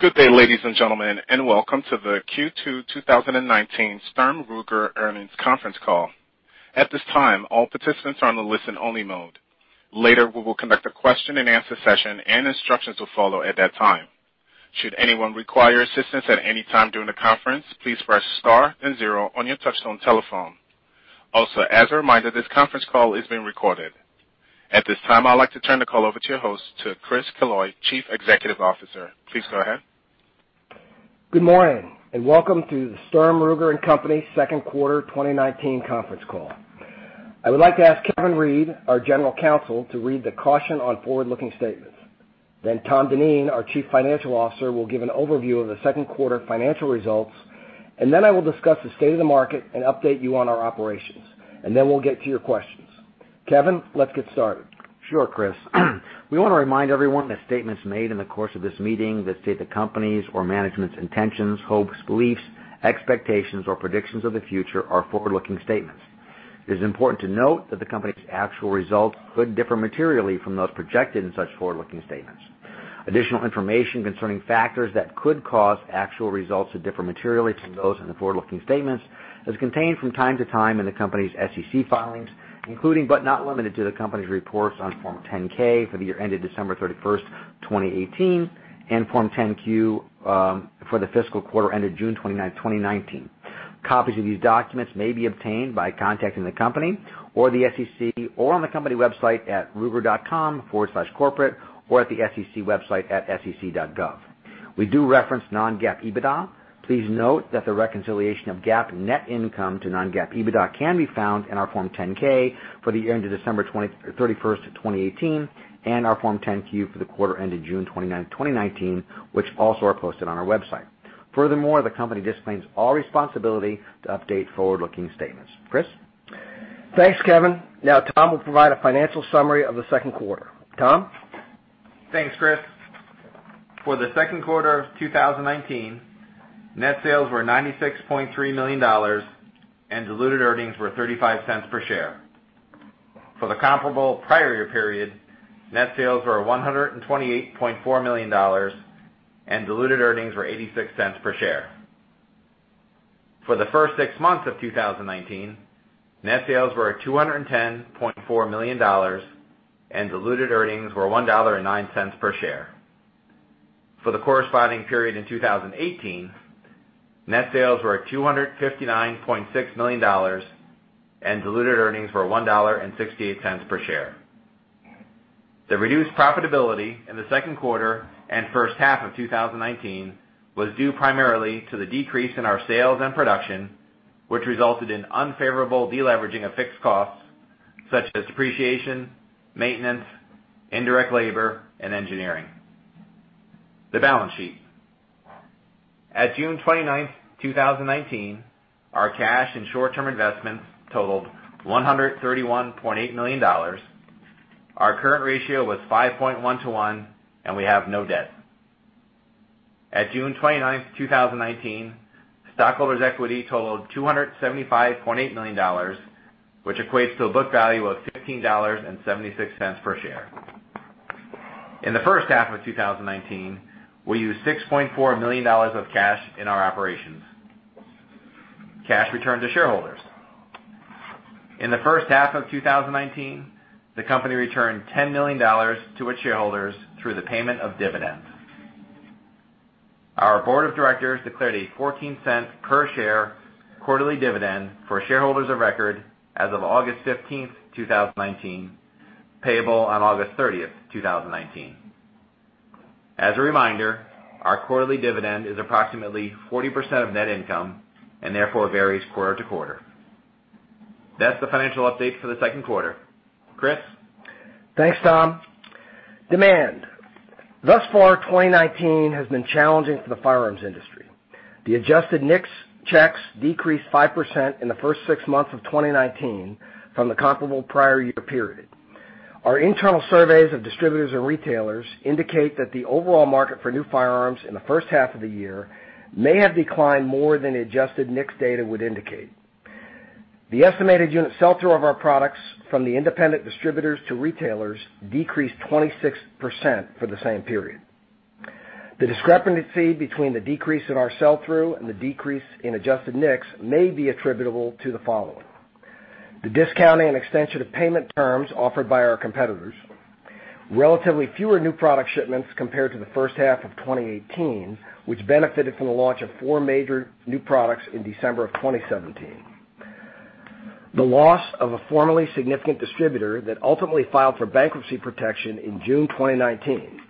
Good day, ladies and gentlemen, and welcome to the Q2 2019 Sturm Ruger Earnings Conference Call. At this time, all participants are on the listen-only mode. Later, we will conduct a question and answer session, and instructions will follow at that time. Should anyone require assistance at any time during the conference, please press star and zero on your touch-tone telephone. Also, as a reminder, this conference call is being recorded. At this time, I'd like to turn the call over to your host, to Chris Killoy, Chief Executive Officer. Please go ahead. Good morning, welcome to the Sturm, Ruger & Company second quarter 2019 conference call. I would like to ask Kevin Reid, our General Counsel, to read the caution on forward-looking statements. Tom Dineen, our Chief Financial Officer, will give an overview of the second quarter financial results, and then I will discuss the state of the market and update you on our operations. We'll get to your questions. Kevin, let's get started. Sure, Chris. We want to remind everyone that statements made in the course of this meeting that state the company's or management's intentions, hopes, beliefs, expectations, or predictions of the future are forward-looking statements. It is important to note that the company's actual results could differ materially from those projected in such forward-looking statements. Additional information concerning factors that could cause actual results to differ materially from those in the forward-looking statements is contained from time to time in the company's SEC filings, including but not limited to the company's reports on Form 10-K for the year ended December 31st, 2018, and Form 10-Q, for the fiscal quarter ended June 29th, 2019. Copies of these documents may be obtained by contacting the company or the SEC or on the company website at ruger.com/corporate or at the SEC website at sec.gov. We do reference non-GAAP EBITDA. Please note that the reconciliation of GAAP net income to non-GAAP EBITDA can be found in our Form 10-K for the year ended December 31st, 2018, and our Form 10-Q for the quarter ended June 29, 2019, which also are posted on our website. The company disclaims all responsibility to update forward-looking statements. Chris? Thanks, Kevin. Now Tom will provide a financial summary of the second quarter. Tom? Thanks, Chris. For the second quarter of 2019, net sales were $96.3 million and diluted earnings were $0.35 per share. For the comparable prior year period, net sales were $128.4 million and diluted earnings were $0.86 per share. For the first six months of 2019, net sales were at $210.4 million and diluted earnings were $1.09 per share. For the corresponding period in 2018, net sales were at $259.6 million and diluted earnings were $1.68 per share. The reduced profitability in the second quarter and first half of 2019 was due primarily to the decrease in our sales and production, which resulted in unfavorable deleveraging of fixed costs, such as depreciation, maintenance, indirect labor, and engineering. The balance sheet. At June 29th, 2019, our cash and short-term investments totaled $131.8 million. Our current ratio was 5.1 to 1, and we have no debt. At June 29th, 2019, stockholders' equity totaled $275.8 million, which equates to a book value of $15.76 per share. In the first half of 2019, we used $6.4 million of cash in our operations. Cash returned to shareholders. In the first half of 2019, the company returned $10 million to its shareholders through the payment of dividends. Our board of directors declared a $0.14 per share quarterly dividend for shareholders of record as of August 15th, 2019, payable on August 30th, 2019. As a reminder, our quarterly dividend is approximately 40% of net income and therefore varies quarter to quarter. That's the financial update for the second quarter. Chris? Thanks, Tom. Demand. Thus far, 2019 has been challenging for the firearms industry. The adjusted NICS checks decreased 5% in the first six months of 2019 from the comparable prior year period. Our internal surveys of distributors and retailers indicate that the overall market for new firearms in the first half of the year may have declined more than adjusted NICS data would indicate. The estimated unit sell-through of our products from the independent distributors to retailers decreased 26% for the same period. The discrepancy between the decrease in our sell-through and the decrease in adjusted NICS may be attributable to the following: The discounting and extension of payment terms offered by our competitors, relatively fewer new product shipments compared to the first half of 2018, which benefited from the launch of four major new products in December of 2017. The loss of a formerly significant distributor that ultimately filed for bankruptcy protection in June 2019.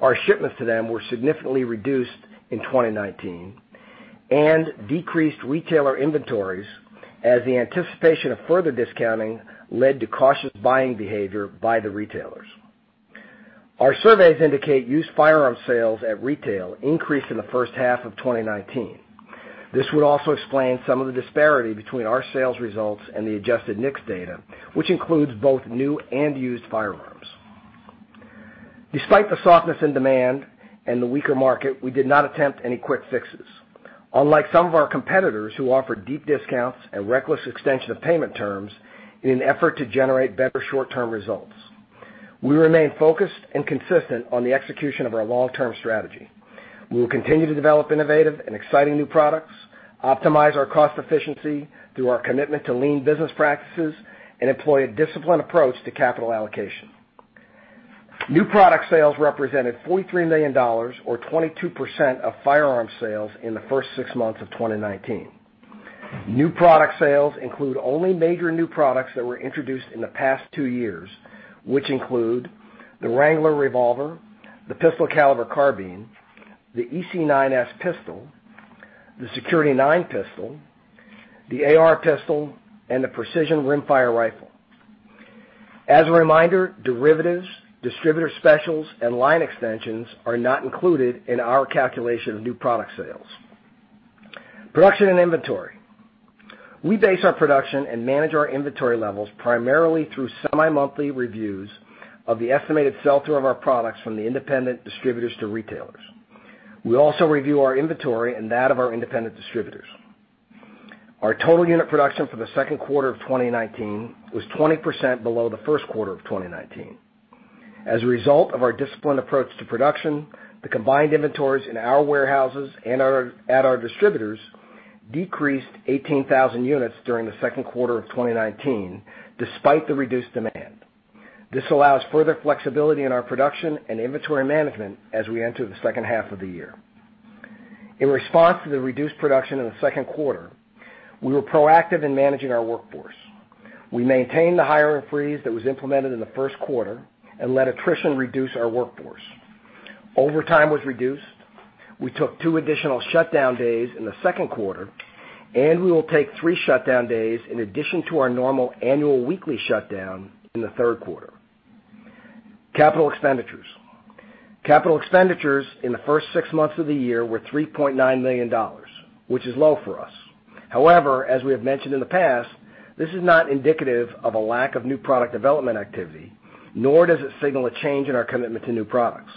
Our shipments to them were significantly reduced in 2019 and decreased retailer inventories as the anticipation of further discounting led to cautious buying behavior by the retailers. Our surveys indicate used firearm sales at retail increased in the first half of 2019. This would also explain some of the disparity between our sales results and the adjusted NICS data, which includes both new and used firearms. Despite the softness and demand and the weaker market, we did not attempt any quick fixes. Unlike some of our competitors who offer deep discounts and reckless extension of payment terms in an effort to generate better short-term results, we remain focused and consistent on the execution of our long-term strategy. We will continue to develop innovative and exciting new products, optimize our cost efficiency through our commitment to lean business practices, and employ a disciplined approach to capital allocation. New product sales represented $43 million, or 22% of firearm sales in the first six months of 2019. New product sales include only major new products that were introduced in the past two years, which include the Wrangler Revolver, the PC Carbine, the EC9s Pistol, the Security-9 Pistol, the AR-556 Pistol, and the Ruger Precision Rimfire. As a reminder, derivatives, distributor specials, and line extensions are not included in our calculation of new product sales. Production and inventory. We base our production and manage our inventory levels primarily through semi-monthly reviews of the estimated sell-through of our products from the independent distributors to retailers. We also review our inventory and that of our independent distributors. Our total unit production for the second quarter of 2019 was 20% below the first quarter of 2019. As a result of our disciplined approach to production, the combined inventories in our warehouses and at our distributors decreased 18,000 units during the second quarter of 2019, despite the reduced demand. This allows further flexibility in our production and inventory management as we enter the second half of the year. In response to the reduced production in the second quarter, we were proactive in managing our workforce. We maintained the hiring freeze that was implemented in the first quarter and let attrition reduce our workforce. Overtime was reduced. We took two additional shutdown days in the second quarter, and we will take three shutdown days in addition to our normal annual weekly shutdown in the third quarter. Capital expenditures. Capital expenditures in the first six months of the year were $3.9 million, which is low for us. However, as we have mentioned in the past, this is not indicative of a lack of new product development activity, nor does it signal a change in our commitment to new products.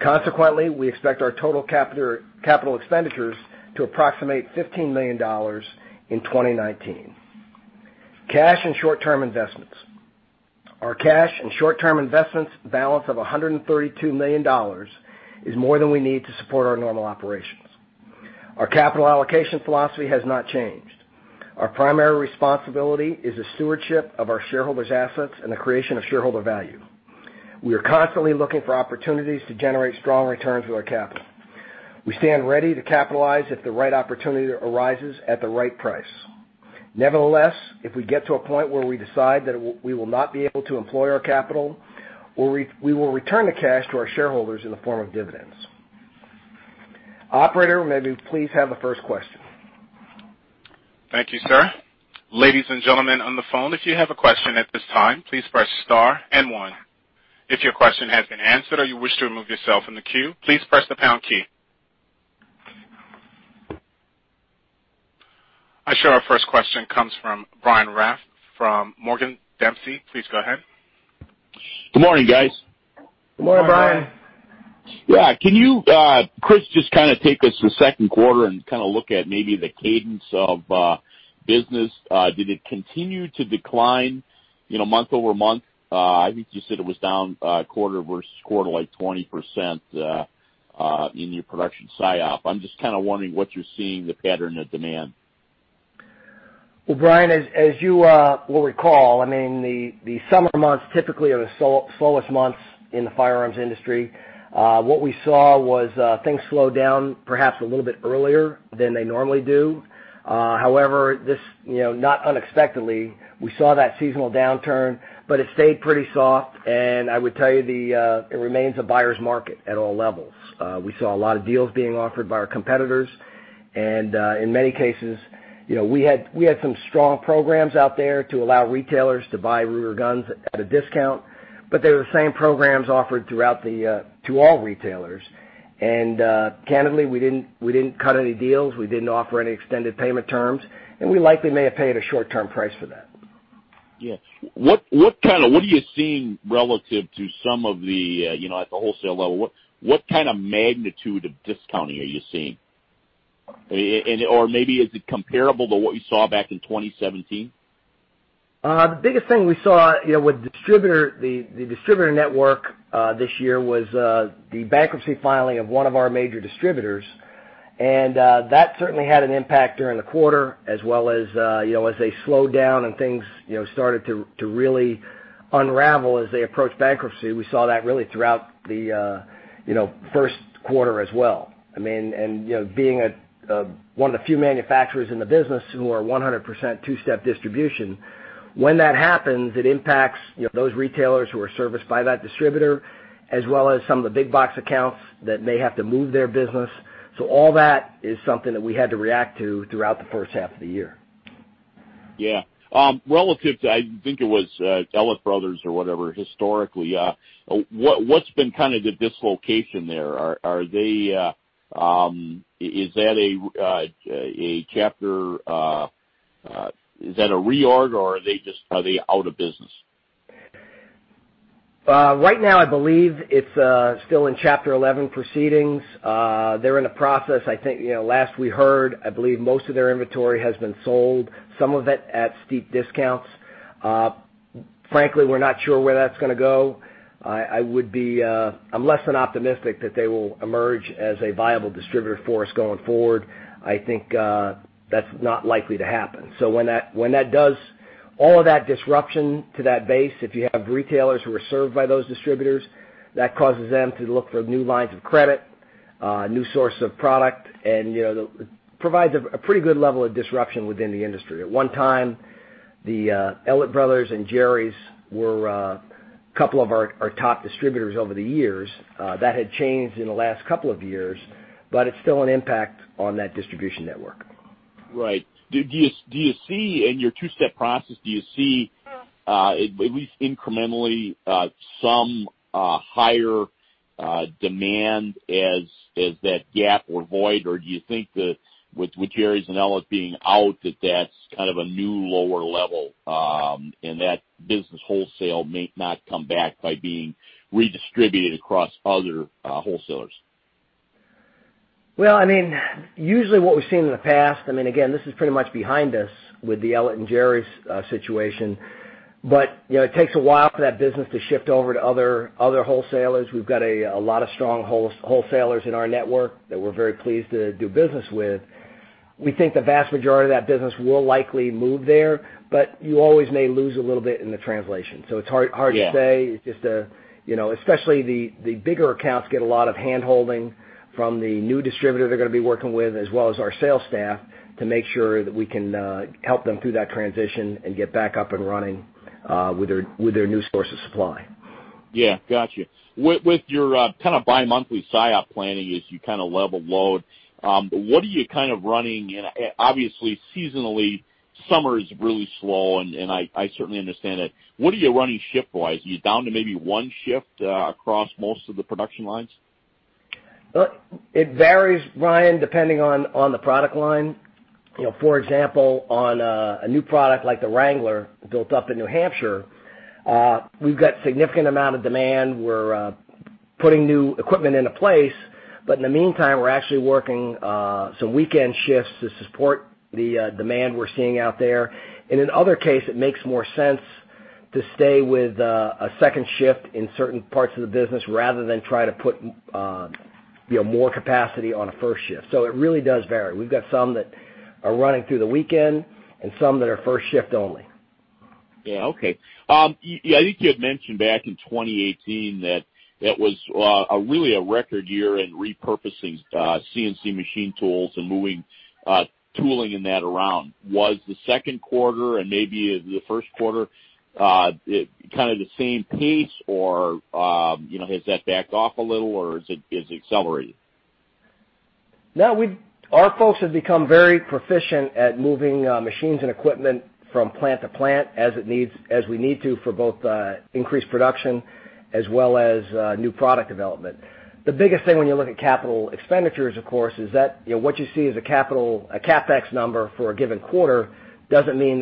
Consequently, we expect our total capital expenditures to approximate $15 million in 2019. Cash and short-term investments. Our cash and short-term investments balance of $132 million is more than we need to support our normal operations. Our capital allocation philosophy has not changed. Our primary responsibility is the stewardship of our shareholders' assets and the creation of shareholder value. We are constantly looking for opportunities to generate strong returns with our capital. We stand ready to capitalize if the right opportunity arises at the right price. Nevertheless, if we get to a point where we decide that we will not be able to employ our capital, we will return the cash to our shareholders in the form of dividends. Operator, may we please have the first question? Thank you, sir. Ladies and gentlemen on the phone, if you have a question at this time, please press star and one. If your question has been answered or you wish to remove yourself from the queue, please press the pound key. I show our first question comes from Brian Raff from Morgan Dempsey. Please go ahead. Good morning, guys. Good morning, Brian. Yeah. Can you, Chris, just kind of take us through the second quarter and kind of look at maybe the cadence of business. Did it continue to decline month-over-month? I think you said it was down quarter-over-quarter, like 20% in your production SIOP. I'm just kind of wondering what you're seeing, the pattern of demand. Well, Brian, as you will recall, the summer months typically are the slowest months in the firearms industry. What we saw was things slowed down perhaps a little bit earlier than they normally do. Not unexpectedly, we saw that seasonal downturn, but it stayed pretty soft, and I would tell you, it remains a buyer's market at all levels. We saw a lot of deals being offered by our competitors and, in many cases, we had some strong programs out there to allow retailers to buy Ruger guns at a discount. They were the same programs offered to all retailers. Candidly, we didn't cut any deals. We didn't offer any extended payment terms, and we likely may have paid a short-term price for that. Yeah. What are you seeing relative to some of the, at the wholesale level, what kind of magnitude of discounting are you seeing? Maybe is it comparable to what you saw back in 2017? The biggest thing we saw with the distributor network this year was the bankruptcy filing of one of our major distributors, and that certainly had an impact during the quarter as well as they slowed down and things started to really unravel as they approached bankruptcy. We saw that really throughout the first quarter as well. Being one of the few manufacturers in the business who are 100% two-step distribution, when that happens, it impacts those retailers who are serviced by that distributor, as well as some of the big box accounts that may have to move their business. All that is something that we had to react to throughout the first half of the year. Yeah. Relative to, I think it was Ellett Brothers or whatever, historically, what's been kind of the dislocation there? Is that a reorg, or are they out of business? Right now, I believe it's still in Chapter 11 proceedings. They're in the process. I think last we heard, I believe most of their inventory has been sold, some of it at steep discounts. Frankly, we're not sure where that's going to go. I'm less than optimistic that they will emerge as a viable distributor for us going forward. I think that's not likely to happen. When that does all of that disruption to that base, if you have retailers who are served by those distributors, that causes them to look for new lines of credit, new source of product, and it provides a pretty good level of disruption within the industry. At one time, the Ellett Brothers and Jerry's were a couple of our top distributors over the years. That had changed in the last couple of years, but it's still an impact on that distribution network. Right. Do you see in your two-step process, do you see at least incrementally some higher demand as that gap or void? Do you think that with Jerry's and Ellett being out, that that's kind of a new lower level, and that business wholesale may not come back by being redistributed across other wholesalers? Well, usually what we've seen in the past, again, this is pretty much behind us with the Ellett and Jerry's situation. It takes a while for that business to shift over to other wholesalers. We've got a lot of strong wholesalers in our network that we're very pleased to do business with. We think the vast majority of that business will likely move there, but you always may lose a little bit in the translation. It's hard to say. Yeah. Especially the bigger accounts get a lot of hand-holding from the new distributor they're going to be working with, as well as our sales staff, to make sure that we can help them through that transition and get back up and running with their new source of supply. Yeah. Got you. With your kind of bi-monthly SIOP planning as you kind of level load, what are you kind of running? Obviously, seasonally, summer is really slow, and I certainly understand that. What are you running shift-wise? Are you down to maybe one shift across most of the production lines? It varies, Ryan, depending on the product line. For example, on a new product like the Wrangler built up in New Hampshire, we've got significant amount of demand. We're putting new equipment into place. In the meantime, we're actually working some weekend shifts to support the demand we're seeing out there. In other case, it makes more sense to stay with a second shift in certain parts of the business rather than try to put more capacity on a first shift. It really does vary. We've got some that are running through the weekend and some that are first shift only. Yeah. Okay. I think you had mentioned back in 2018 that that was really a record year in repurposing CNC machine tools and moving tooling and that around. Was the second quarter and maybe the first quarter kind of the same pace, or has that backed off a little, or has that accelerated? No. Our folks have become very proficient at moving machines and equipment from plant to plant as we need to for both increased production as well as new product development. The biggest thing when you look at capital expenditures, of course, is that what you see as a CapEx number for a given quarter doesn't mean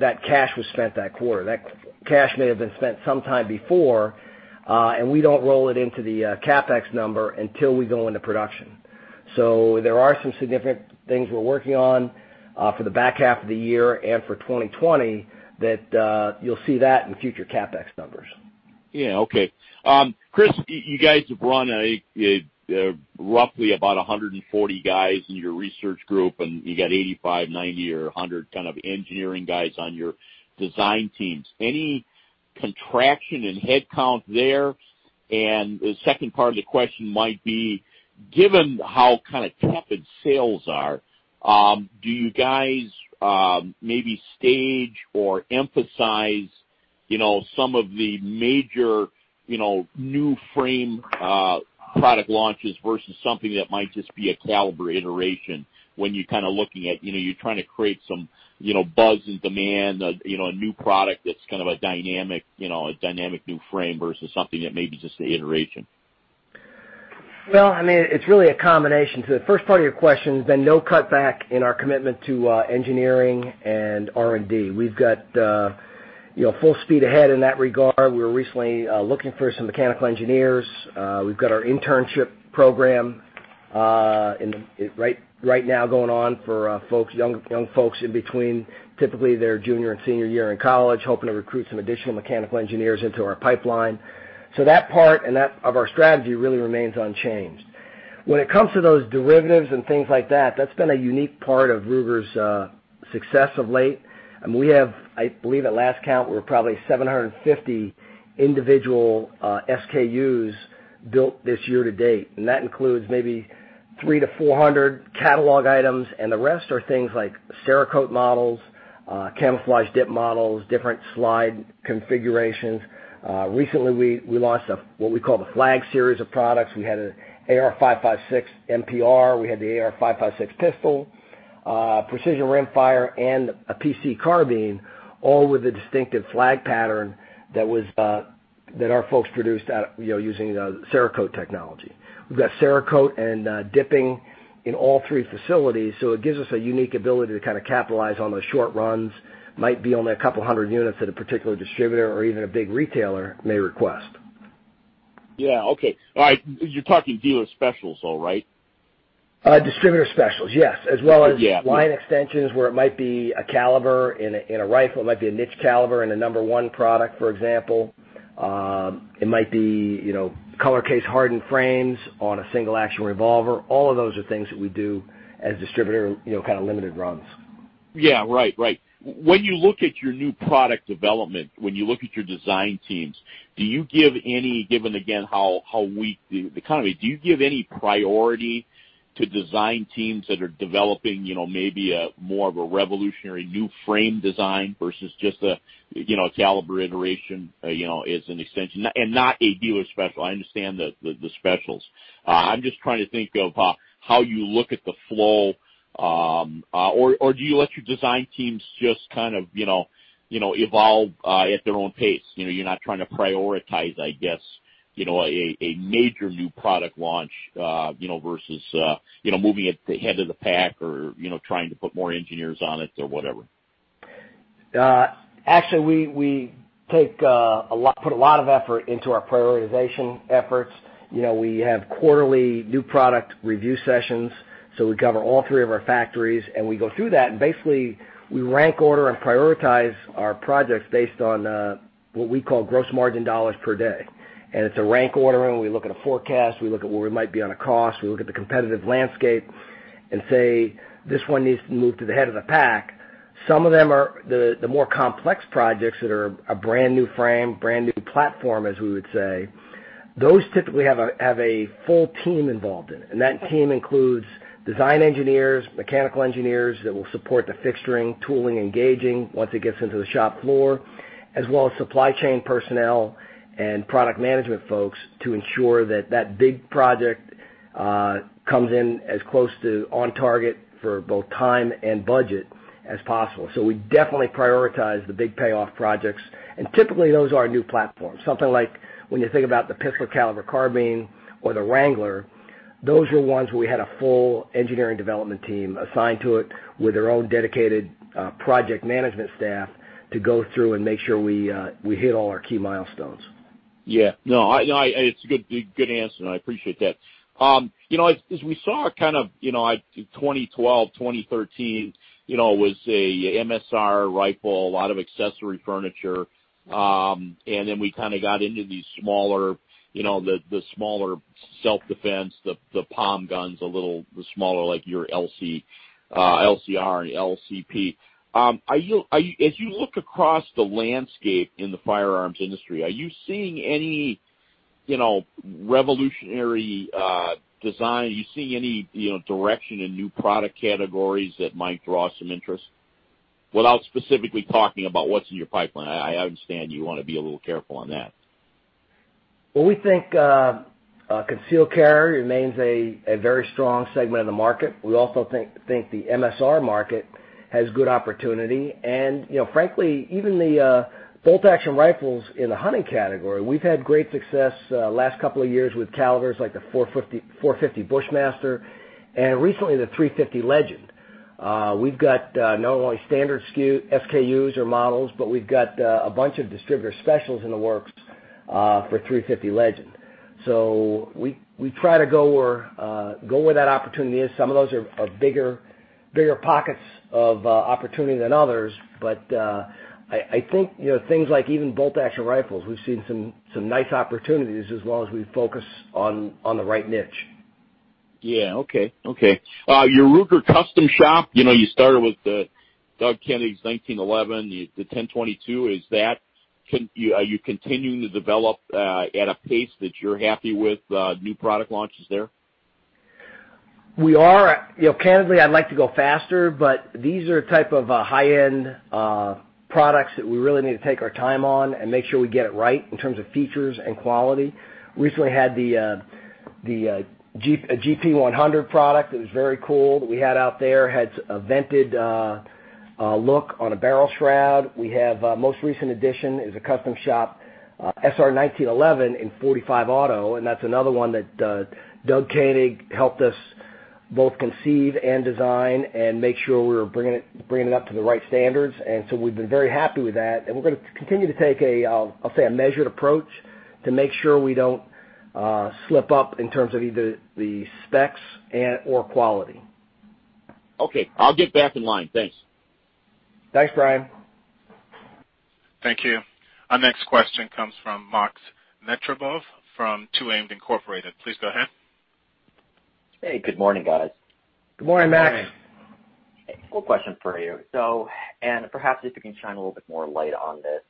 that cash was spent that quarter. That cash may have been spent sometime before, and we don't roll it into the CapEx number until we go into production. There are some significant things we're working on for the back half of the year and for 2020 that you'll see that in future CapEx numbers. Yeah. Okay. Chris, you guys have run roughly about 140 guys in your research group, and you got 85, 90, or 100 kind of engineering guys on your design teams. Any contraction in headcount there? The second part of the question might be, given how kind of tepid sales are, do you guys maybe stage or emphasize some of the major new frame product launches versus something that might just be a caliber iteration when you're kind of looking at, you're trying to create some buzz and demand, a new product that's kind of a dynamic new frame versus something that may be just an iteration? Well, it's really a combination. To the first part of your question, there's been no cutback in our commitment to engineering and R&D. We've got full speed ahead in that regard. We were recently looking for some mechanical engineers. We've got our internship program right now going on for young folks in between, typically, their junior and senior year in college, hoping to recruit some additional mechanical engineers into our pipeline. That part of our strategy really remains unchanged. When it comes to those derivatives and things like that's been a unique part of Ruger's success of late. We have, I believe at last count, we're probably 750 individual SKUs built this year to date, and that includes maybe 300 to 400 catalog items, and the rest are things like Cerakote models, camouflage dip models, different slide configurations. Recently, we launched what we call the Flag Series of products. We had an AR-556 MPR, we had the AR-556 Pistol, Precision Rimfire, and a PC Carbine, all with a distinctive flag pattern that our folks produced using Cerakote technology. We've got Cerakote and dipping in all three facilities, so it gives us a unique ability to kind of capitalize on those short runs. Might be only a couple of hundred units that a particular distributor or even a big retailer may request. Yeah. Okay. All right. You're talking dealer specials though, right? Distributor specials, yes. Yeah line extensions where it might be a caliber in a rifle, it might be a niche caliber in a number one product, for example. It might be color case hardened frames on a single-action revolver. All of those are things that we do as distributor, kind of limited runs. Yeah. Right. When you look at your new product development, when you look at your design teams, given again how weak the economy, do you give any priority to design teams that are developing maybe more of a revolutionary new frame design versus just a caliber iteration, as an extension, and not a dealer special. I understand the specials. I'm just trying to think of how you look at the flow. Do you let your design teams just kind of evolve at their own pace? You're not trying to prioritize, I guess, a major new product launch, versus moving at the head of the pack or trying to put more engineers on it or whatever. Actually, we put a lot of effort into our prioritization efforts. We have quarterly new product review sessions, so we cover all three of our factories, and we go through that, and basically, we rank order and prioritize our projects based on what we call gross margin dollars per day. It's a rank ordering. We look at a forecast, we look at where we might be on a cost, we look at the competitive landscape and say, "This one needs to move to the head of the pack." The more complex projects that are a brand-new frame, brand-new platform, as we would say, those typically have a full team involved in it. That team includes design engineers, mechanical engineers that will support the fixturing, tooling, and gaging once it gets into the shop floor, as well as supply chain personnel and product management folks to ensure that big project comes in as close to on target for both time and budget as possible. We definitely prioritize the big payoff projects, and typically those are our new platforms. Something like when you think about the PC Carbine or the Wrangler, those are ones where we had a full engineering development team assigned to it with their own dedicated project management staff to go through and make sure we hit all our key milestones. Yeah. No, it's a good answer, and I appreciate that. As we saw kind of 2012, 2013, was a MSR rifle, a lot of accessory furniture, and then we kind of got into the smaller self-defense, the palm guns, the smaller like your LCR and LCP. As you look across the landscape in the firearms industry, are you seeing any revolutionary design? Are you seeing any direction in new product categories that might draw some interest? Without specifically talking about what's in your pipeline. I understand you want to be a little careful on that. Well, we think concealed carry remains a very strong segment of the market. We also think the MSR market has good opportunity, and frankly, even the bolt-action rifles in the hunting category. We've had great success the last couple of years with calibers like the 450 Bushmaster and recently the 350 Legend. We've got not only standard SKUs or models, but we've got a bunch of distributor specials in the works for 350 Legend. We try to go where that opportunity is. Some of those are bigger pockets of opportunity than others. I think things like even bolt-action rifles, we've seen some nice opportunities as long as we focus on the right niche. Yeah. Okay. Your Ruger Custom Shop, you started with Doug Koenig's 1911, the 10/22. Are you continuing to develop at a pace that you're happy with new product launches there? We are. Candidly, I'd like to go faster, but these are type of high-end products that we really need to take our time on and make sure we get it right in terms of features and quality. We recently had the GP100 product. It was very cool, that we had out there, had a vented look on a barrel shroud. We have most recent addition is a Custom Shop, SR1911 in 45 Auto, that's another one that Doug Koenig helped us both conceive and design and make sure we were bringing it up to the right standards. We've been very happy with that, and we're going to continue to take, I'll say, a measured approach to make sure we don't slip up in terms of either the specs or quality. Okay. I'll get back in line. Thanks. Thanks, Brian. Thank you. Our next question comes from Max Metryakov from 2AMED Incorporated. Please go ahead. Hey, good morning, guys. Good morning, Max. Good morning. A quick question for you. Perhaps if you can shine a little bit more light on this.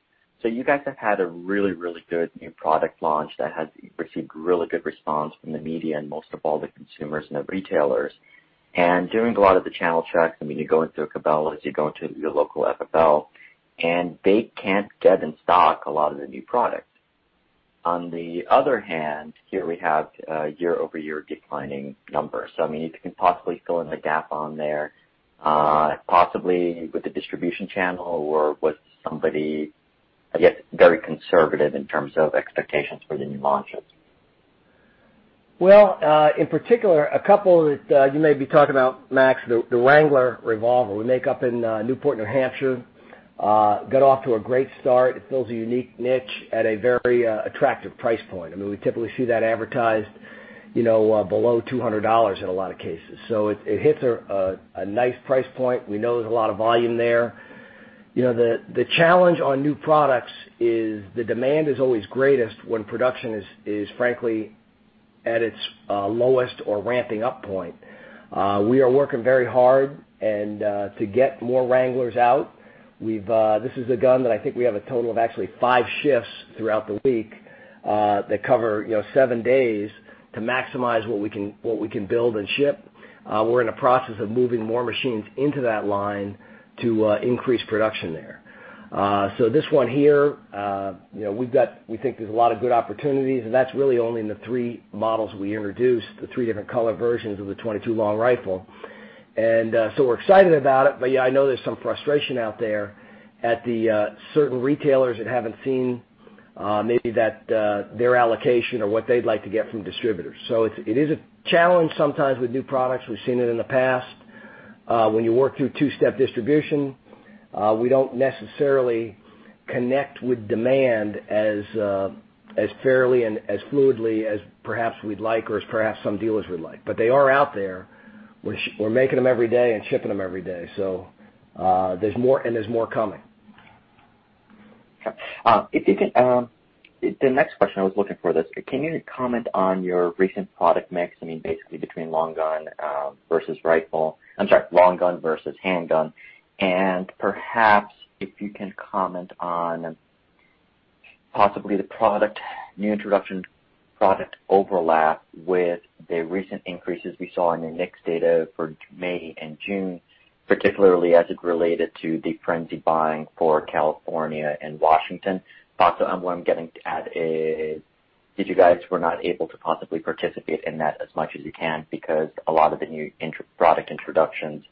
You guys have had a really good new product launch that has received really good response from the media and most of all, the consumers and the retailers. Doing a lot of the channel checks, I mean, you go into a Cabela's, you go into your local FFL, and they can't get in stock a lot of the new products. On the other hand, here we have year-over-year declining numbers. I mean, if you can possibly fill in the gap on there, possibly with the distribution channel or with somebody, I guess, very conservative in terms of expectations for the new launches. In particular, a couple that you may be talking about, Max, the Wrangler revolver we make up in Newport, New Hampshire, got off to a great start. It fills a unique niche at a very attractive price point. I mean, we typically see that advertised below $200 in a lot of cases. It hits a nice price point. We know there's a lot of volume there. The challenge on new products is the demand is always greatest when production is frankly at its lowest or ramping up point. We are working very hard to get more Wranglers out. This is a gun that I think we have a total of actually five shifts throughout the week, that cover seven days, to maximize what we can build and ship. We're in a process of moving more machines into that line to increase production there. This one here, we think there's a lot of good opportunities, and that's really only in the three models we introduced, the three different color versions of the .22 Long Rifle. We're excited about it, but yeah, I know there's some frustration out there at the certain retailers that haven't seen maybe their allocation or what they'd like to get from distributors. It is a challenge sometimes with new products. We've seen it in the past. When you work through two-step distribution, we don't necessarily connect with demand as fairly and as fluidly as perhaps we'd like, or as perhaps some dealers would like. They are out there. We're making them every day and shipping them every day. There's more coming. Okay. The next question I was looking for this, can you comment on your recent product mix, I mean, basically between long gun versus handgun? Perhaps if you can comment on possibly the new introduction product overlap with the recent increases we saw in the NICS data for May and June, particularly as it related to the frenzy buying for California and Washington. What I'm getting at is, did you guys were not able to possibly participate in that as much as you can because a lot of the new product introductions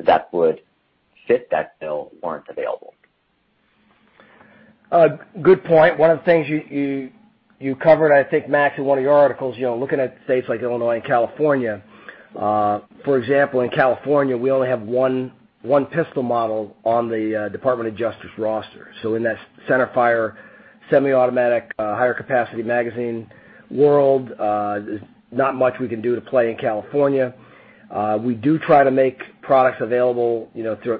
that would fit that bill weren't available? Good point. One of the things you covered, I think, Max, in one of your articles, looking at states like Illinois and California. For example, in California, we only have one pistol model on the Department of Justice roster. In that center-fire, semi-automatic, higher capacity magazine world, there's not much we can do to play in California. We do try to make products available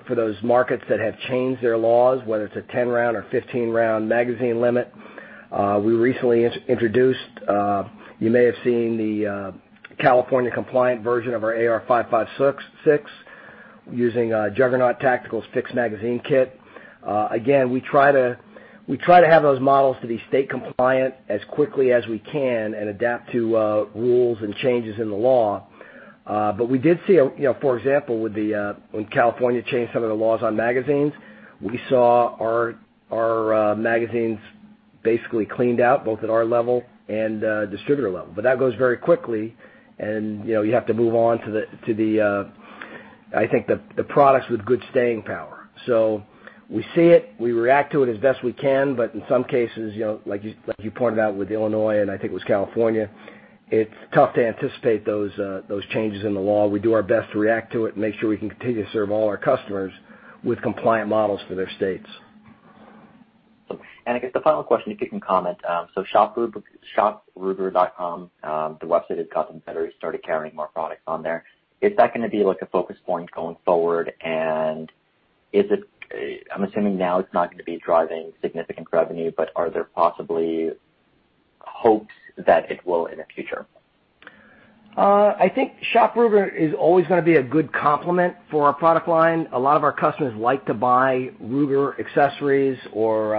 for those markets that have changed their laws, whether it's a 10-round or 15-round magazine limit. We recently introduced, you may have seen the California compliant version of our AR-556 using Juggernaut Tactical's fixed magazine kit. Again, we try to have those models to be state compliant as quickly as we can and adapt to rules and changes in the law. We did see, for example, when California changed some of the laws on magazines, we saw our magazines basically cleaned out, both at our level and distributor level. That goes very quickly, and you have to move on to, I think, the products with good staying power. We see it, we react to it as best we can, but in some cases, like you pointed out with Illinois and I think it was California, it's tough to anticipate those changes in the law. We do our best to react to it and make sure we can continue to serve all our customers with compliant models for their states. I guess the final question, if you can comment, so shopruger.com, the website has gotten better. You started carrying more products on there. Is that going to be a focus point going forward? I'm assuming now it's not going to be driving significant revenue, but are there possibly hopes that it will in the future? I think Shop Ruger is always going to be a good complement for our product line. A lot of our customers like to buy Ruger accessories or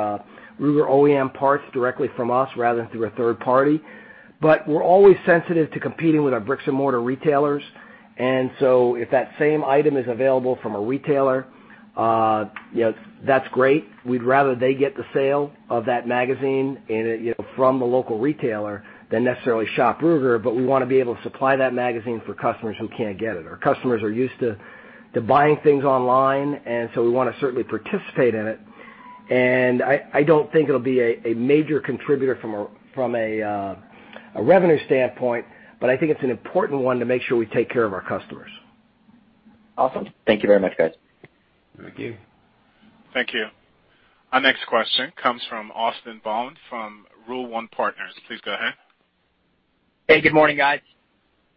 Ruger OEM parts directly from us, rather than through a third party. We're always sensitive to competing with our bricks and mortar retailers. If that same item is available from a retailer, that's great. We'd rather they get the sale of that magazine from a local retailer than necessarily Shop Ruger, but we want to be able to supply that magazine for customers who can't get it. Our customers are used to buying things online, so we want to certainly participate in it. I don't think it'll be a major contributor from a revenue standpoint, but I think it's an important one to make sure we take care of our customers. Awesome. Thank you very much, guys. Thank you. Thank you. Our next question comes from Austin Bond from Rule One Partners. Please go ahead. Hey. Good morning, guys.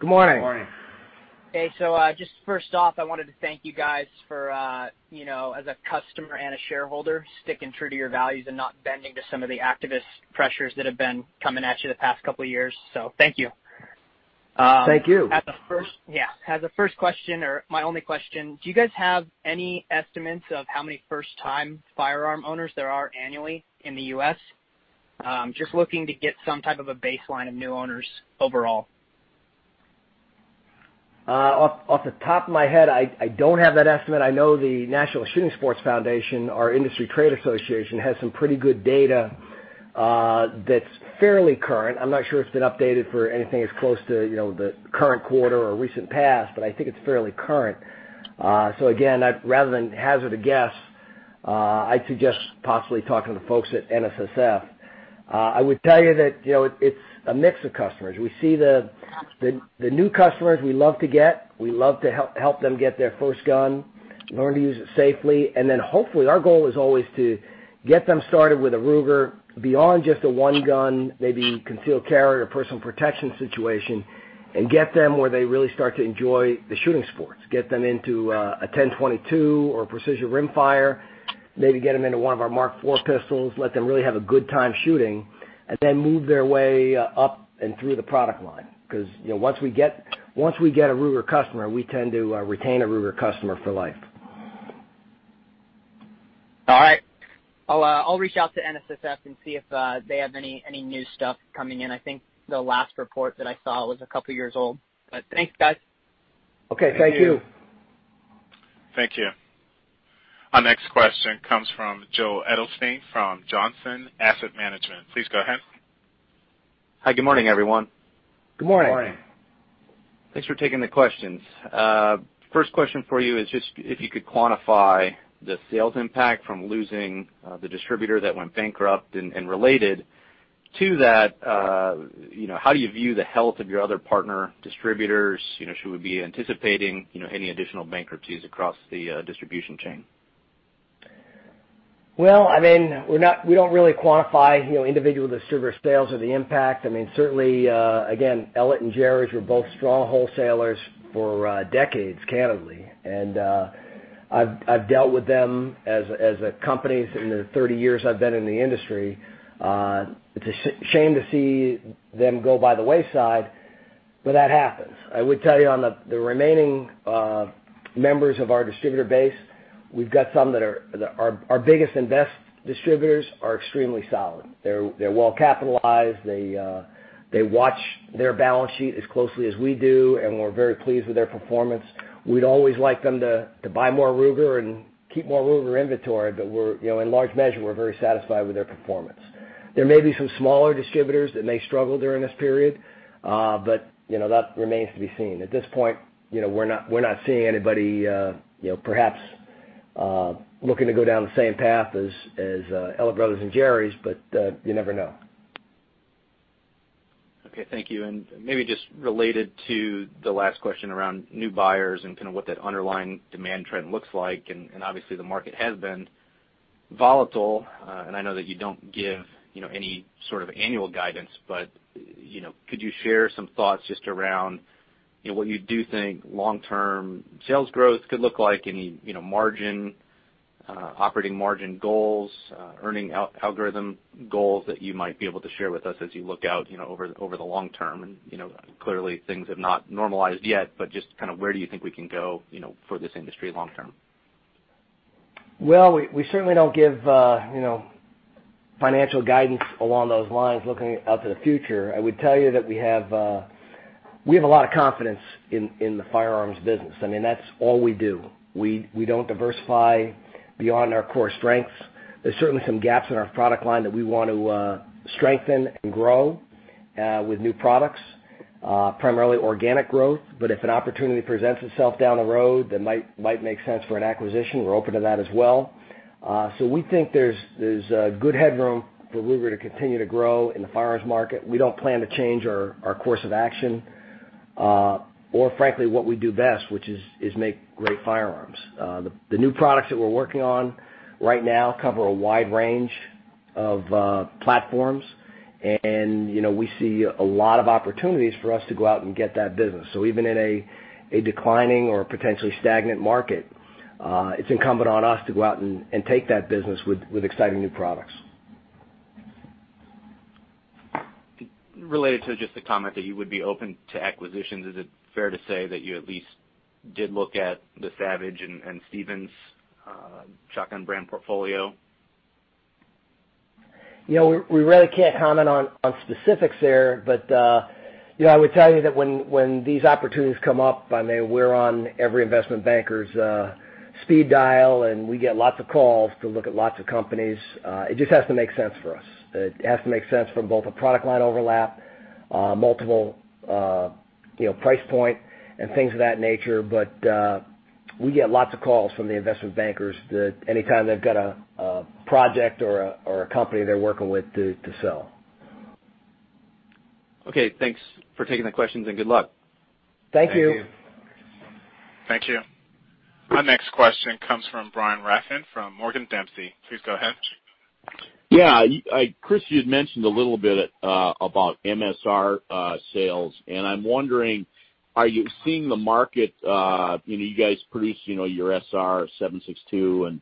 Good morning. Good morning. Okay. Just first off, I wanted to thank you guys for, as a customer and a shareholder, sticking true to your values and not bending to some of the activist pressures that have been coming at you the past couple of years. Thank you. Thank you. Yeah. As a first question or my only question, do you guys have any estimates of how many first-time firearm owners there are annually in the U.S.? Just looking to get some type of a baseline of new owners overall. Off the top of my head, I don't have that estimate. I know the National Shooting Sports Foundation, our industry trade association, has some pretty good data that's fairly current. I'm not sure it's been updated for anything as close to the current quarter or recent past. I think it's fairly current. Again, rather than hazard a guess, I'd suggest possibly talking to folks at NSSF. I would tell you that it's a mix of customers. We see the new customers we love to get, we love to help them get their first gun, learn to use it safely, and then hopefully, our goal is always to get them started with a Ruger beyond just a one gun, maybe concealed carry or personal protection situation, and get them where they really start to enjoy the shooting sports. Get them into a 10/22 or a Precision Rimfire. Maybe get them into one of our Mark IV pistols, let them really have a good time shooting, and then move their way up and through the product line. Once we get a Ruger customer, we tend to retain a Ruger customer for life. All right. I'll reach out to NSSF and see if they have any new stuff coming in. I think the last report that I saw was a couple of years old. Thanks, guys. Okay, thank you. Thank you. Our next question comes from Joe Edelstein from Johnson Asset Management. Please go ahead. Hi. Good morning, everyone. Good morning. Good morning. Thanks for taking the questions. First question for you is just if you could quantify the sales impact from losing the distributor that went bankrupt, and related to that, how do you view the health of your other partner distributors? Should we be anticipating any additional bankruptcies across the distribution chain? Well, we don't really quantify individual distributor sales or the impact. Certainly, again, Ellett and Jerry's were both strong wholesalers for decades, candidly. I've dealt with them as companies in the 30 years I've been in the industry. It's a shame to see them go by the wayside, but that happens. I would tell you on the remaining members of our distributor base, our biggest and best distributors are extremely solid. They're well-capitalized. They watch their balance sheet as closely as we do, and we're very pleased with their performance. We'd always like them to buy more Ruger and keep more Ruger inventory, but in large measure, we're very satisfied with their performance. There may be some smaller distributors that may struggle during this period, but that remains to be seen. At this point, we're not seeing anybody perhaps looking to go down the same path as Ellett Brothers and Jerry's, but you never know. Okay, thank you. Maybe just related to the last question around new buyers and kind of what that underlying demand trend looks like, and obviously the market has been volatile, and I know that you don't give any sort of annual guidance, but could you share some thoughts just around what you do think long-term sales growth could look like? Any operating margin goals, earning algorithm goals that you might be able to share with us as you look out over the long term? Clearly things have not normalized yet, but just kind of where do you think we can go for this industry long term? We certainly don't give financial guidance along those lines looking out to the future. I would tell you that we have a lot of confidence in the firearms business. That's all we do. We don't diversify beyond our core strengths. There's certainly some gaps in our product line that we want to strengthen and grow with new products, primarily organic growth, but if an opportunity presents itself down the road that might make sense for an acquisition, we're open to that as well. We think there's good headroom for Ruger to continue to grow in the firearms market. We don't plan to change our course of action, or frankly, what we do best, which is make great firearms. The new products that we're working on right now cover a wide range of platforms, and we see a lot of opportunities for us to go out and get that business. Even in a declining or potentially stagnant market, it's incumbent on us to go out and take that business with exciting new products. Related to just the comment that you would be open to acquisitions, is it fair to say that you at least did look at the Savage and Stevens shotgun brand portfolio? We really can't comment on specifics there, but I would tell you that when these opportunities come up, we're on every investment banker's speed dial, and we get lots of calls to look at lots of companies. It just has to make sense for us. It has to make sense from both a product line overlap, multiple price point, and things of that nature. We get lots of calls from the investment bankers anytime they've got a project or a company they're working with to sell. Okay, thanks for taking the questions and good luck. Thank you. Thank you. Our next question comes from Brian Raffin from Morgan Dempsey. Please go ahead. Yeah. Chris, you had mentioned a little bit about MSR sales, and I'm wondering, are you seeing the market? You guys produce your SR762 and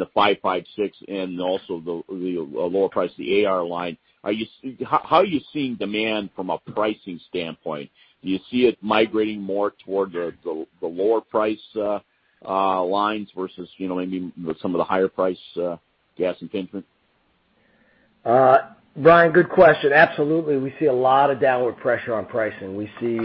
the AR-556 and also the lower price AR line. How are you seeing demand from a pricing standpoint? Do you see it migrating more toward the lower price lines versus maybe some of the higher price gas enhancement? Brian, good question. Absolutely. We see a lot of downward pressure on pricing. We see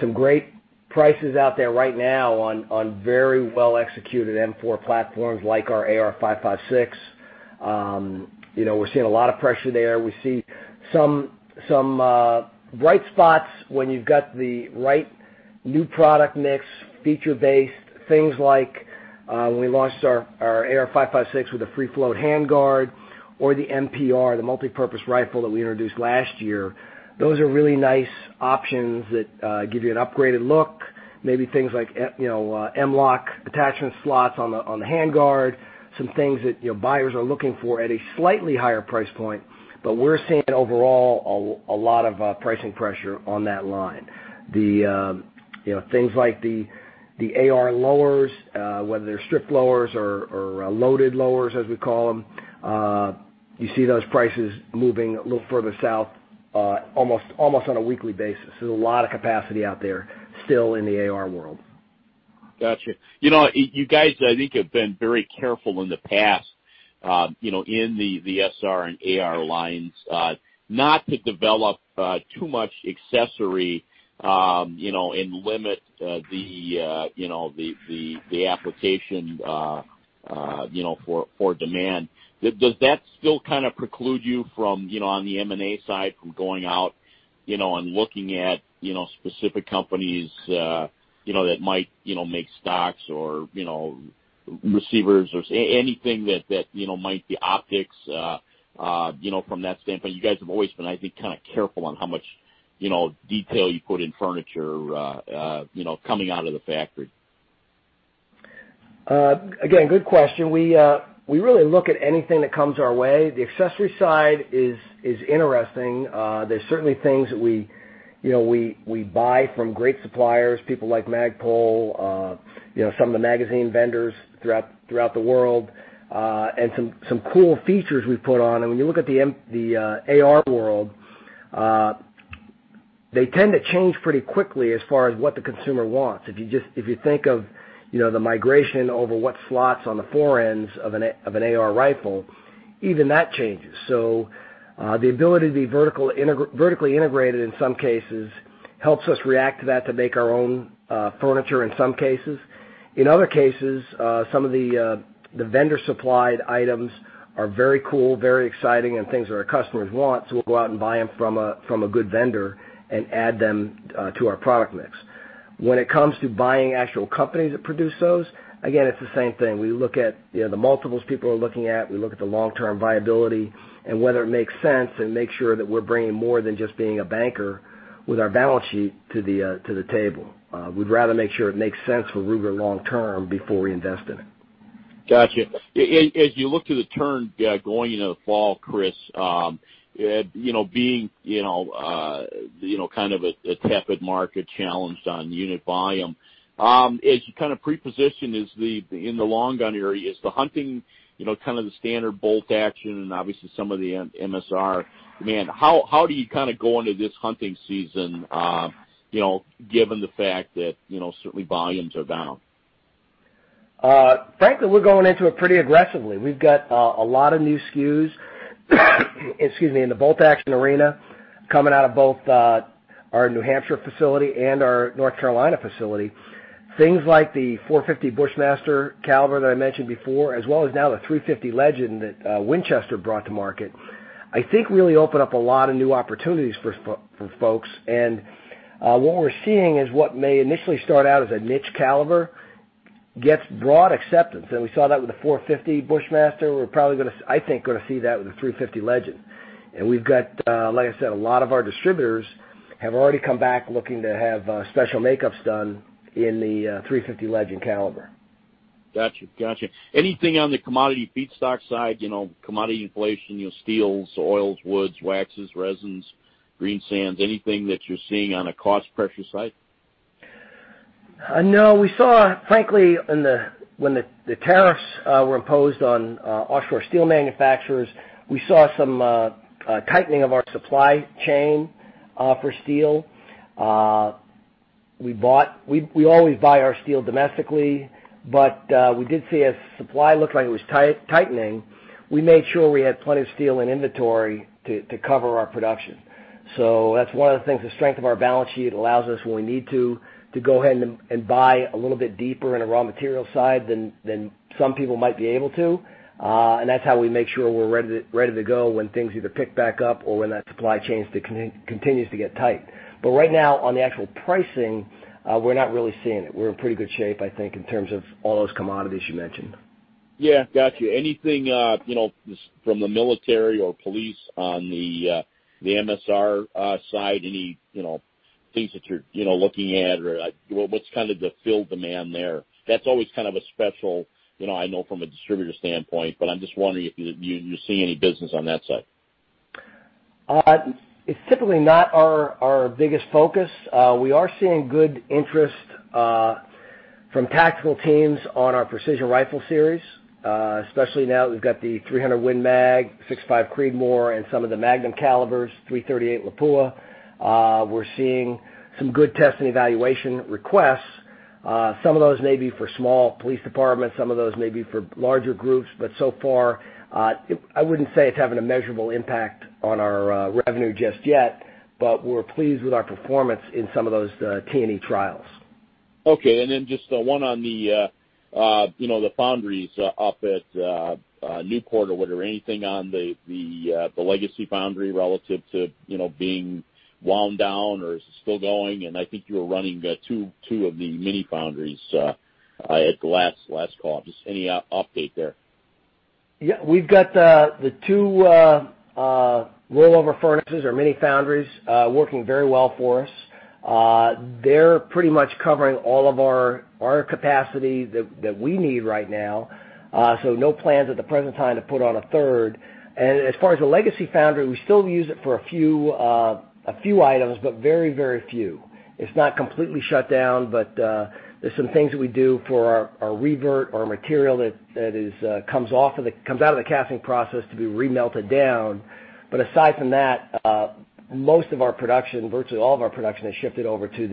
some great prices out there right now on very well-executed M4 platforms like our AR-556. We're seeing a lot of pressure there. We see some bright spots when you've got the right new product mix, feature-based, things like when we launched our AR-556 with a free float handguard, or the MPR, the multipurpose rifle that we introduced last year. Those are really nice options that give you an upgraded look, maybe things like M-LOK attachment slots on the handguard, some things that buyers are looking for at a slightly higher price point. We're seeing overall, a lot of pricing pressure on that line. The things like the AR lowers, whether they're stripped lowers or loaded lowers, as we call them. You see those prices moving a little further south, almost on a weekly basis. There's a lot of capacity out there still in the AR world. Got you. You guys, I think, have been very careful in the past, in the SR and AR lines, not to develop too much accessory, and limit the application for demand. Does that still kind of preclude you from, on the M&A side, from going out, and looking at specific companies that might make stocks or receivers or anything that might be optics from that standpoint? You guys have always been, I think, kind of careful on how much detail you put in furniture coming out of the factory. Again, good question. We really look at anything that comes our way. The accessory side is interesting. There's certainly things that we buy from great suppliers, people like Magpul, some of the magazine vendors throughout the world, some cool features we've put on. When you look at the AR world, they tend to change pretty quickly as far as what the consumer wants. If you think of the migration over what slots on the forends of an AR rifle, even that changes. The ability to be vertically integrated in some cases helps us react to that to make our own furniture in some cases. In other cases, some of the vendor-supplied items are very cool, very exciting, and things that our customers want. We'll go out and buy them from a good vendor and add them to our product mix. When it comes to buying actual companies that produce those, again, it's the same thing. We look at the multiples people are looking at, we look at the long-term viability and whether it makes sense and make sure that we're bringing more than just being a banker with our balance sheet to the table. We'd rather make sure it makes sense for Ruger long term before we invest in it. Got you. As you look to the turn going into the fall, Chris, being kind of a tepid market challenged on unit volume, as you kind of pre-position in the long gun area, is the hunting, kind of the standard bolt action, and obviously some of the MSR demand, how do you kind of go into this hunting season, given the fact that certainly volumes are down? Frankly, we're going into it pretty aggressively. We've got a lot of new SKUs in the bolt action arena coming out of both our New Hampshire facility and our North Carolina facility. Things like the 450 Bushmaster caliber that I mentioned before, as well as now the 350 Legend that Winchester brought to market, I think really open up a lot of new opportunities for folks. What we're seeing is what may initially start out as a niche caliber gets broad acceptance. We saw that with the 450 Bushmaster. We're probably, I think, going to see that with the 350 Legend. We've got, like I said, a lot of our distributors have already come back looking to have special makeups done in the 350 Legend caliber. Got you. Anything on the commodity feedstock side, commodity inflation, steels, oils, woods, waxes, resins, green sands, anything that you're seeing on a cost pressure side? No. We saw, frankly, when the tariffs were imposed on offshore steel manufacturers, we saw some tightening of our supply chain for steel. We always buy our steel domestically. We did see as supply looked like it was tightening, we made sure we had plenty of steel in inventory to cover our production. That's one of the things, the strength of our balance sheet allows us, when we need to go ahead and buy a little bit deeper in the raw material side than some people might be able to. That's how we make sure we're ready to go when things either pick back up or when that supply chain continues to get tight. Right now on the actual pricing, we're not really seeing it. We're in pretty good shape, I think, in terms of all those commodities you mentioned. Yeah. Got you. Anything from the military or police on the MSR side? Any things that you're looking at, or what's kind of the field demand there? That's always kind of a special, I know from a distributor standpoint, but I'm just wondering if you see any business on that side. It's typically not our biggest focus. We are seeing good interest from tactical teams on our Ruger Precision Rifle series, especially now that we've got the 300 Win Mag, 6.5 Creedmoor, and some of the Magnum calibers, 338 Lapua. We're seeing some good test and evaluation requests. Some of those may be for small police departments, some of those may be for larger groups, but so far, I wouldn't say it's having a measurable impact on our revenue just yet, but we're pleased with our performance in some of those T&E trials. Okay. Just one on the foundries up at Newport or whatever. Anything on the legacy foundry relative to being wound down, or is it still going? I think you were running two of the mini foundries at the last call. Just any update there? Yeah. We've got the two rollover furnaces or mini foundries working very well for us. They're pretty much covering all of our capacity that we need right now. No plans at the present time to put on a third. As far as the legacy foundry, we still use it for a few items, but very few. It's not completely shut down, but there's some things that we do for our revert or material that comes out of the casting process to be remelted down. Aside from that, most of our production, virtually all of our production, has shifted over to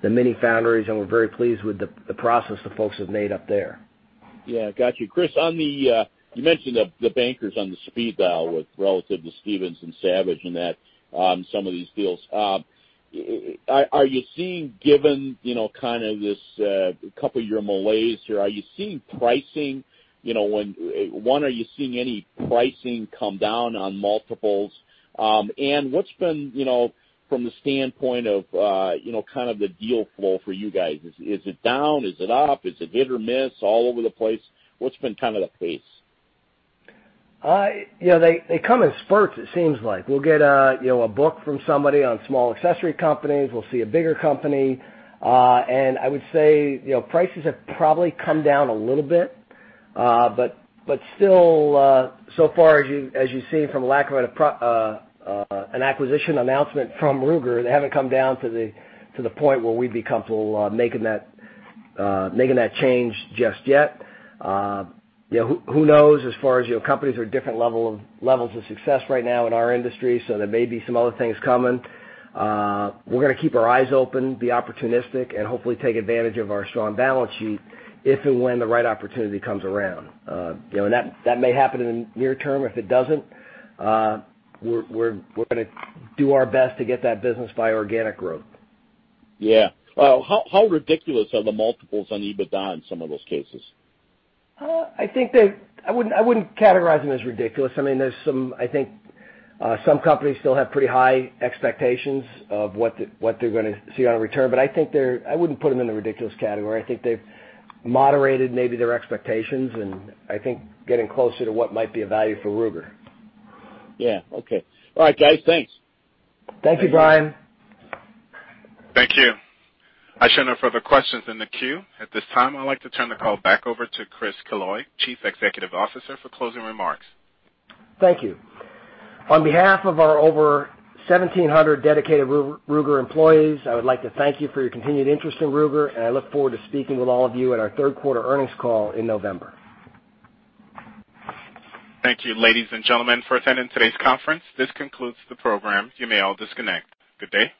the mini foundries, and we're very pleased with the process the folks have made up there. Yeah. Got you. Chris, you mentioned the bankers on the speed dial relative to Stevens and Savage and that on some of these deals. Given kind of this couple year malaise here, are you seeing any pricing come down on multiples? What's been from the standpoint of kind of the deal flow for you guys? Is it down? Is it up? Is it hit or miss all over the place? What's been kind of the pace? They come in spurts, it seems like. We'll get a book from somebody on small accessory companies. We'll see a bigger company. I would say, prices have probably come down a little bit. Still, so far as you've seen, from a lack of an acquisition announcement from Ruger, they haven't come down to the point where we'd be comfortable making that change just yet. Who knows? As far as companies are at different levels of success right now in our industry, so there may be some other things coming. We're going to keep our eyes open, be opportunistic, and hopefully take advantage of our strong balance sheet if and when the right opportunity comes around. That may happen in the near term. If it doesn't, we're going to do our best to get that business by organic growth. Yeah. How ridiculous are the multiples on EBITDA in some of those cases? I wouldn't categorize them as ridiculous. I think some companies still have pretty high expectations of what they're going to see on a return, but I wouldn't put them in the ridiculous category. I think they've moderated maybe their expectations and I think getting closer to what might be a value for Ruger. Yeah. Okay. All right, guys. Thanks. Thank you, Brian. Thank you. I show no further questions in the queue. At this time, I'd like to turn the call back over to Chris Killoy, Chief Executive Officer, for closing remarks. Thank you. On behalf of our over 1,700 dedicated Ruger employees, I would like to thank you for your continued interest in Ruger. I look forward to speaking with all of you at our third quarter earnings call in November. Thank you, ladies and gentlemen, for attending today's conference. This concludes the program. You may all disconnect. Good day.